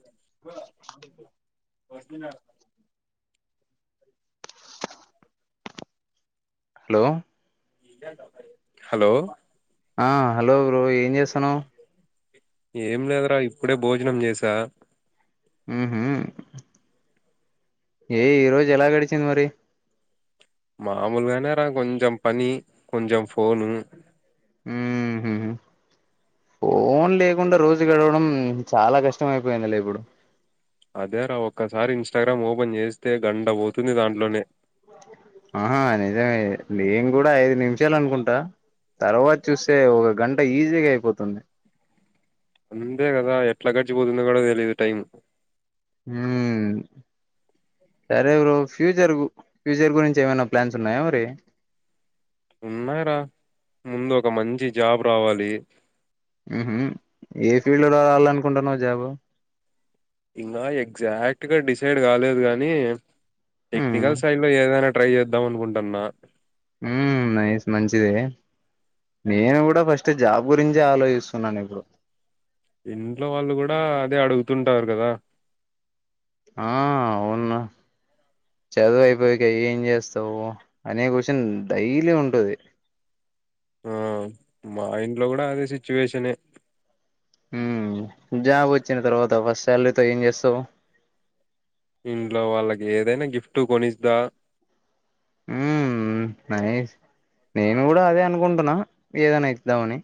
అ hello hello ఆ hello bro ఏం చేస్తున్నావ్ ఏం లేదురా ఇప్పుడే భోజనం చేశా ఉహు ఏ ఈ రోజు ఎలా గడిచింది మరి మామూలుగానే రా కొంచెం పని కొంచెం ఫోన్ ను ఉహు ఫోన్ లేకుండా రోజు గడవడం చాలా కష్టం అయిపోయిందిలే ఇప్పుడు అదేరా ఒక్కసారి ఇన్స్టాగ్రామ్ ఓపెన్ చేస్తే గంట పోతుంది దాంట్లోనే ఆహా నిజమే నేను కూడా ఐదు నిమిషాలు అనుకుంటా తర్వాత చూస్తే ఒక గంట ఈజీగా అయిపోతుంది అంతే కదా ఎట్ల గడిచిపోతుంది కూడా తెలిదు టైమ్ ఉ సరే బ్రో ఫ్యూచర్ ఫ్యూచర్ గురించి ఏమైనా ప్లాన్స్ ఉన్నాయా మరి ఉన్నాయి రా ముందు ఒక మంచి జాబ్ రావాలి ఉహు ఏ ఫీల్డ్ లో రావాలనుకుంటున్నావు జాబు ఇంకా ఎగ్జాక్ట్ గా డిసైడ్ కాలేదు గాని ఉమ్ టెక్నికల్ సైడ్ లో ఏదైనా ట్రై చేద్దాం అనుకుంటున్నా ఉ నైస్ మంచి దే నేను కూడా ఫస్ట్ జాబ్ గురించి ఆలోచిస్తున్నాను ఇప్పుడు ఇంట్లో వాళ్ళు కూడా అదే అడుగుతుంటారు కదా ఆ అవును నా చదువు అయిపోయిక ఏం చేస్తావు అనే క్వశ్చన్ డైలీ ఉంటది ఆ మా ఇంట్లో కూడా అదే సిచ్యువేషనే ఉ జాబ్ వచ్చిన తర్వాత ఫస్ట్ శాలరీ తో ఏం చేస్తావు ఇంట్లో వాళ్ళకి ఏదైనా గిఫ్ట్ కొని ఇస్తా ఉ నైస్ నేను కూడా అదే అనుకుంటున్నా ఏదైనా ఇద్దామని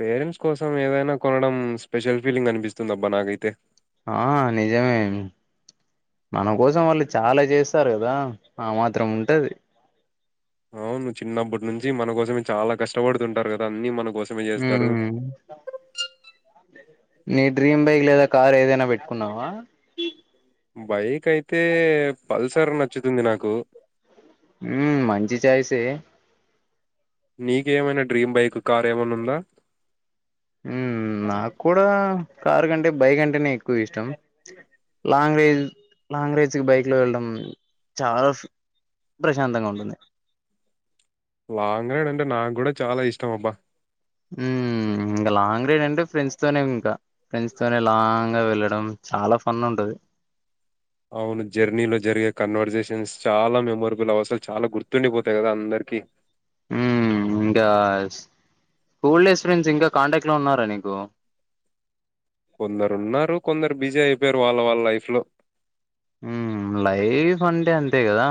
పేరెంట్స్ కోసం ఏదైనా కొనడం స్పెషల్ ఫీలింగ్ అనిపిస్తుంది అబ్బా నాకైతే ఆ నిజమే మన కోసం వాళ్ళు చాలా చేస్తారు కదా ఆ మాత్రం ఉంటది అవును చిన్నప్పటి నుంచి మనకోసమే చాలా కష్టపడుతుంటారు కదా అన్నీ మనకోస్ ఊ నీ డ్రీమ్ బైక్ లేదా కార్ ఏదైనా పెట్టుకున్నావా బైక్ అయితే పల్సర్ నచ్చుతుంది నాకు ఉ మంచి ఛాయిస్ ఏయ్ నీకు ఏమైనా డ్రీమ్ బైక్ కార్ ఏమన్నా ఉందా ఉ నాకు కూడా కారు కంటే బైక్ అంటేనే ఎక్కువ ఇష్టం లాంగ్ రైజ్ లాంగ్ రైజ్ కి బైక్ లో వెళ్ళడం చాలా ప్రశాంతంగా ఉంటుంది లాంగ్ రైడ్ అంటే నాకు కూడా చాలా ఇష్టం అబ్బా ఉహ్మ్ ఇంకా లాంగ్ రైడ్ అంటే ఫ్రెండ్స్ తోనే ఇంకా ఫ్రెండ్స్ తోనే లాంగ్ గా వెళ్ళడం చాలా ఫన్ ఉంటది అవును జర్నీలో జరిగే కన్వర్సేషన్స్ చాలా మెమొరబుల్ అసలు చాలా గుర్తుండిపోతాయి కదా అందరికీ ఉ ఇంకా స్కూల్ డేస్ ఫ్రెండ్స్ ఇంకా కాంటాక్ట్ లో ఉన్నారా నీకు కొందరు ఉన్నారు కొందరు బిజీ అయిపోయారు వాళ్ళ వాళ్ళ లైఫ్ లో మ్ లైఫ్ అంటే అంతే కదా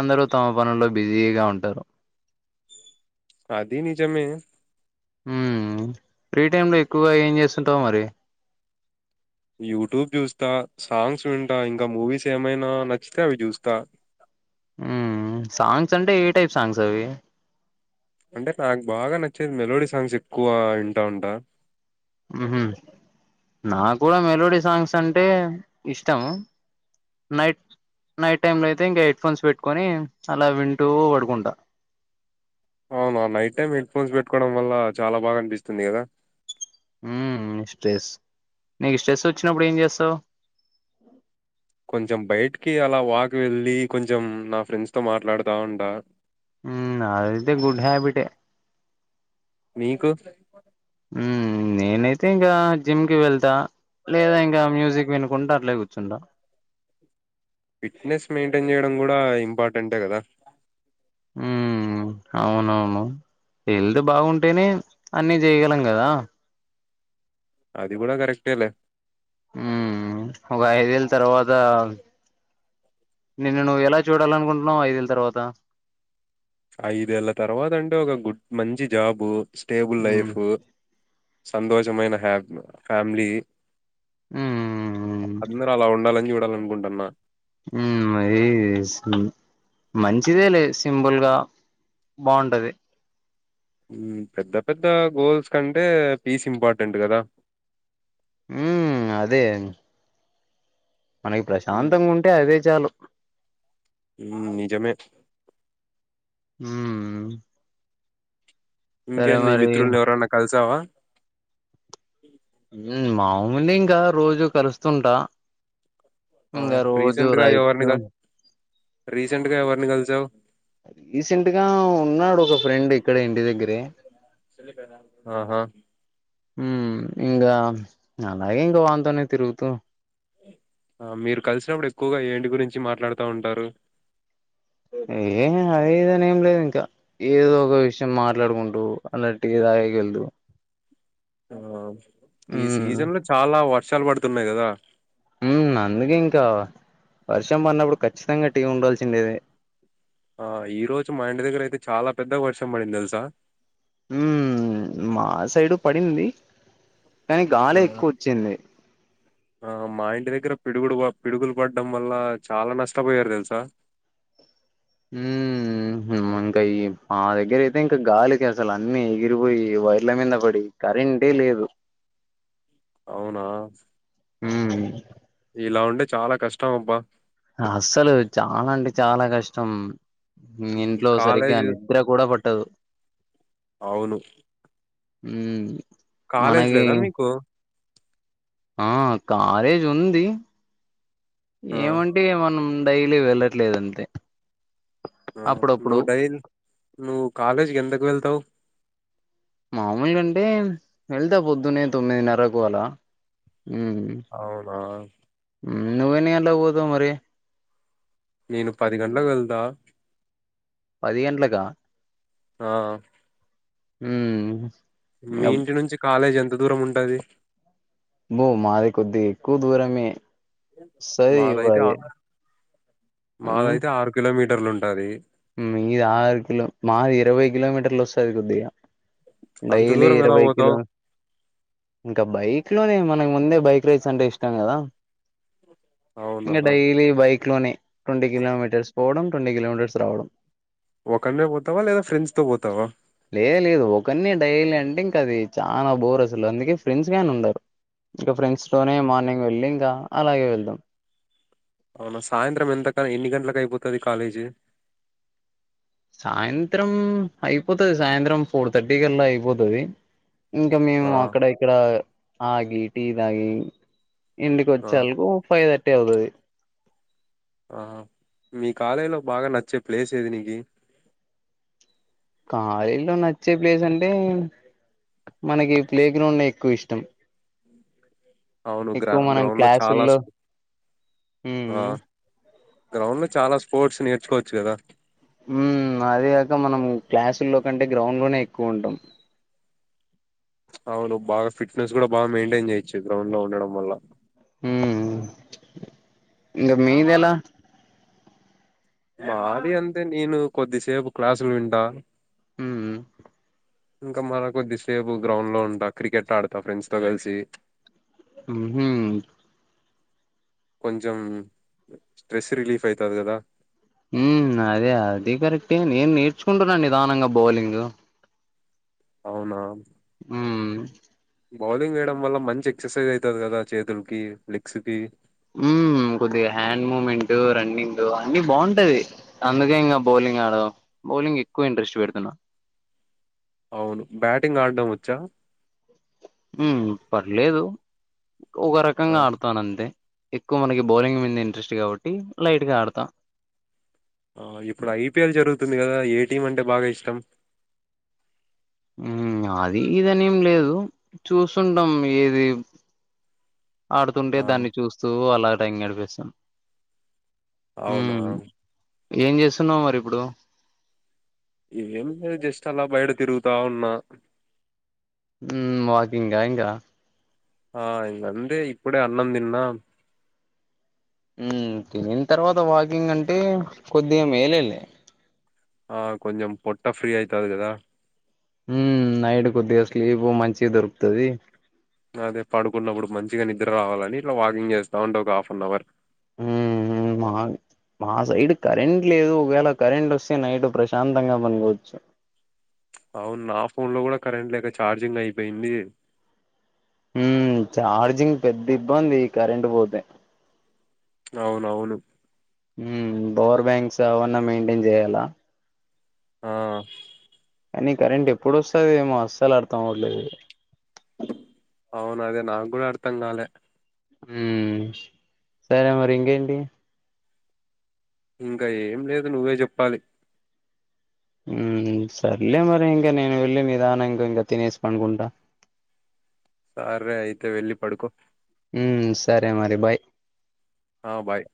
అందరు తమ పనుల్లో బిజీగా ఉంటారు అదీ నిజమే మ్ ఫ్రీ టైమ్ లో ఎక్కువగా ఏం చేస్తుంటావు మరి యూట్యూబ్ చూస్తా సాంగ్స్ వింటా ఇంకా మూవీస్ ఏమైనా నచ్చితే అవి చూస్తా మ్ సాంగ్స్ అంటే ఏ టైప్ సాంగ్స్ అవి అంటే నాకు బాగా నచ్చేది మెలోడీ సాంగ్స్ ఎక్కువ వింటా ఉంటా ఊహు నా కూడా మెలోడీ సాంగ్స్ అంటే ఇష్టం నైట్ నైట్ టైం లో అయితే ఇంకా హెడ్ ఫోన్స్ పెట్టుకొని అలా వింటూ పడుకుంటా అవునా నైట్ టైమ్ హెడ్ ఫోన్స్ పెట్టుకోవడం వల్ల చాలా బాగా అనిపిస్తుంది కదా మ్ మ్ స్ట్రెస్ నీకు స్ట్రెస్ వచ్చినప్పుడు ఏం చేస్తావు కొంచెం బయటికి అలా వాక్ వెళ్ళలి కొంచెం నా ఫ్రెండ్స్ తో మాట్లాడుతా ఉంటా మ్ అదైతే గుడ్ హ్యాబిటే మీకు నేనైతే ఇంకా జిమ్ కి వెళ్తా లేదా ఇంకా మ్యూజిక్ వినుకుంటా అట్లే కుర్చు చిండా ఫిట్నెస్ మెయింటైన్ చేయడం కూడా ఇంపార్టెంటే కదా మ్ అవునవును హెల్త్ బాగుంటేనే అన్ని చేయగలం కదా అది కూడా కరెక్టే లే మ్ ఒక ఐదేళ్ళ తర్వాత నిన్ను నువ్వు ఎలా చూడాలనుకుంటున్నావు ఐదేళ్ళ తర్వాత ఐదేళ్ళ తర్వాత అంటే ఒక గుడ్ మంచి జాబు స్టేబుల్ మ్మ్ లైఫ్ సంతోషమైన హ్యా ఫ్యామిలీ మ్మ్ అందరు అలా ఉండాలని చూడాలనుకుంటున్న మ్ మయి మంచిదే లే సింపుల్గా బాగుంటది ఈ పెద్ద పెద్ద గోల్స్ కంటే పీస్ ఇంపార్టెంట్ కదా మ్ అదే మనకి హ్మ్. ప్రశాంతంగా ఉంటే అదే చాలు మ్ నిజేమే మ్ సరే ఇంకేం నీ మరి మిత్రుల్ని ఎవరన్నా కలిసావా మ్ మాములే ఇంకా రోజు కలుస్తుంటా ఆ ఇంకా రోజు రీసెంట్ గా ఎవరిని రైట్స్ క రీసెంట్ గా ఎవరిని కలిసావు రీసెంట్ గా ఉన్నాడు ఒక ఫ్రెండ్ ఇక్కడే ఇంటి దగ్గరే ఆహా మ్ ఇంకా అలాగే వాంతోనే తిరుగుతూ ఆ మీరు కలిసినప్పుడు ఎక్కువగా ఏంటి గురించి మాట్లాడుతూ ఉంటారు ఏ అదేదని ఏం లేదు ఇంకా ఏదో ఒక విషయం మాట్లాడుకుంటూ అన్నటిదగల్దు ఆ ఈ ఉమ్ సీజన్ లో చాలా వర్షాలు పడుతున్నాయి కదా అందుకే ఇంకా వర్షం పడినప్పుడు ఖచ్చితంగా టీ ఉంల్సిందేది ఆ ఈ రోజు మా ఇంటి దగ్గర అయితే చాలా పెద్దగా వర్షం పడింది తెలుసా ఉ మా సైడు పడింది కానీ గాలి ఆ ఎక్కువ వచ్చింది ఆ మా ఇంటి దగ్గర పిడుగుడు పిడుగులు పడ్డం వల్ల చాలా నష్టపోయారు తెలుసా హ ఇంకా ఈ మా దగ్గర అయితే ఇంకా గాలికసాల అన్నీ ఎగిరిపోయి వైర్ల మీద పడి కరెంటే లేదు అవునా ఉమ్ ఇలా ఉంటే చాలా కష్టం అబ్బా అస్సలు చాల అంటే చాలా కష్టం ఇంట్లో సరిగ్గా కాలేజ్ నిద్ర కూడా పట్టదు అవును ఉ కాలేజ్ లేదా మీకు ఆ కాలేజ్ ఉంది ఆ ఏమంటే మనం డైలీ వెళ్ళట్లేదంతే ఆ నువ్వు డైల్ నువ్వు కాలేజ్కి ఎందుకు వెళ్తావు మామూలుగంటే వెళ్తా పొద్దునే తొమ్మిదిన్నరకు అలా అవునా నువ్వెన్ని గంటలకి పోతావ్ మరి నేను పది గంటలకు వెళ్తా పది గట్లక ఆ ఉమ్ మీ ఇంటి నుంచి కాలేజ్ ఎంత దూరం ఉంటది బో మాది కొద్ది ఎక్కువ దూరగానే సారే మాదైతే ఆ- మరి ఆ మాదైతే ఆరు కిలోమీటర్లు ఉంటాది మీది ఆరు కిలో మాది ఇరవై కిలోమీటర్లు వస్తుంది కొద్దిగా అంత డైలీ దూరం ఎలా ఇరవై కిలో పోతావు ఇంకా బైక్లోనే మనకు ముందే బైక్ రేస్ అంటే ఇష్టం కదా అవునా ఇంకా డైలీ బైక్లోనే ట్వంటీ కిలోమీటర్స్ పోవడం ట్వంటీ కిలోమీటర్స్ రావడం ఒకనేే పోతవా లేదా ఫ్రెండ్స్తో పోతావా లేదు లేదు ఒకన్ని డైలీ అంటే ఇంకా అది చాలా బోర్ అసలు అందుకే ఫ్రెండ్స్ గానే ఉండరు ఇంకా ఫ్రెండ్స్తోనే మార్నింగ్ వెళ్ళదా అలాగే వెళ్దాదుం అవునా సాయంత్రం ఎంతకని ఎన్ని గంటలకు అయిపోతది కాలేజీ సాయంత్రం అయిపోతది సాయంత్రం ఫోర్ థర్టీ కల్లా అయిపోతది ఇంక మేము ఆ అక్కడ ఇక్కడ ఆగి టీ తాగి ఇంటికి ఆ వచ్చేళ్కు ఫైవ్ థర్టీ అవుతది ఆహ మీ కాలేజ్ లో బాగా నచ్చే ప్లేస్ ఏది నీకి కాలేజీలో నచ్చే ప్లేస్ అంటే మనకి ప్లే గ్రౌండ్ ఎక్కువ ఇష్టం అవును గ్రా ఎక్కువ మనం గ్రౌండ్ లో చాలా క్లాసుల్లో స్పో- ఆ మ్ గ్రౌండ్ లో చాలా స్పోర్ట్స్ నేర్చుకోవచ్చు కదా మ్ అదే కాక మనం క్లాసుల్లో కంటే గ్రౌండ్ లోనే ఎక్కువ ఉంటాం అవును బాగా ఫిట్నెస్ కూడా బా మెయింటైన్ చేయొచ్చు గ్రౌండ్ లో ఉండడం వల్ల ఉమ్ ఇంకా మీదెలా మాది అంతే నేను కొద్దిసేపు క్లాసులు వింటా ఉమ్ ఇంకా మల కొద్దిసేపు గ్రౌండ్ లో ఉంటా క్రికెట్ ఆడతా ఫ్రెండ్స్ తో కలిసి ఊహు కొంచెం స్ట్రెస్ రిలీఫ్ అయితది కదా ఊ అదే అది కరెక్ట నేను నేర్చుకుంటున్నా నిదానంగా బౌలింగ్ అవునా ఊ బౌలింగ్ వేయడం వల్ల మంచి ఎక్సర్సైజ్ అవుతది కదా చేతులకి లెగ్స్ కి ఊ కొద్దిగా హ్యాండ్ మూమెంట్ రన్నింగ్ అన్ని బాగుంటది అందుకే ఇంకా బౌలింగ్ ఆడదాం బౌలింగ్ ఎక్కువ ఇంట్రెస్ట్ పెడుతున్నా అవును బ్యాటింగ్ ఆడడం వచ్చా ఊ పర్లేదు ఒక ఆ రకంగా ఆడు తానంతే ఎక్కువ మనకి బౌలింగ్ మీద ఇంట్రెస్ట్ కాబట్టి లైట్ గా ఆడతా ఆ ఇప్పుడు ఐపీఎల్ జరుగుతుంది కదా ఏ టీం అంటే బాగా ఇష్టం ఊ అది ఈది అని ఎం లేదు చూసుంటాం ఏది ఆడుతుంటే ఆ దాన్ని చూస్తూ అలా టైం గడిపిస్తాం అవునా ఏం చేస్తున్నావు మరి ఇప్పుడు ఏం లేదు జస్ట్ అలా బయట తిరుగుతా ఉన్నా ఊ వాకింగ ఇంకా ఆ ఇగ అంతే ఇప్పుడే అన్నం తిన్నా ఉ తినిన్ తర్వాత వాకింగ్ అంటే కొద్దిగా మేలే లే ఆ కొంచెం పొట్ట ఫ్రీ అవుతుంది కదా ఉ నైడ్ కొద్దిగా స్లీపు మంచి దొరుకుతది అదే పడుకున్నప్పుడు మంచిగా నిద్ర రావాలని ఇట్లా వాకింగ్ చేస్తా ఉంటా ఒక హాఫ్ అన్ అవర్ ఊ ఉ మా మా సైడ్ కరెంట్ లేదు ఒకవేళ కరెంట్ వస్తే నైట్ ప్రశాంతంగా పనుకోవచ్చు అవును నా ఫోన్ లో కూడా కరెంట్ లేక ఛార్జింగ్ అయిపోయింది ఊ చార్జింగ్ పెద్ద ఇబ్బంది కరెంట్ పోతే అవునవును ఊ బవర్ బ్యాంక్స్ అవన్న మెయింటైన్ చేయాల ఆ కానీ కరెంట్ ఎప్పుడు వస్తుదేమో అస్సలు అర్థం అవట్లేదు అవును అదే నాకు కూడా అర్థం కాలే ఉమ్ సరే మరి ఇంకేంటి ఇంకా ఏం లేదు నువ్వే చెప్పాలి ఊ సర్లే మరి ఇంకా నేను వెళ్ళి నిదానంగా ఇంకా ఇంకా తినేసి పనుకుంటా సరే అయితే వెళ్ళి పడుకో ఊ సరే మరి బాయ్ ఆ బాయ్